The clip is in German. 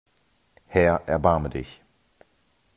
Herr, erbarme dich!